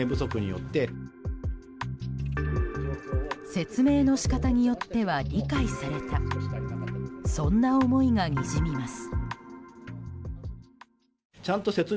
説明の仕方によっては理解されたそんな思いがにじみます。